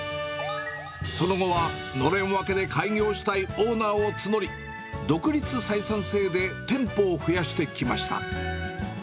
その後はのれん分けで開業したいオーナーを募り、独立採算制で店舗を増やしてきました。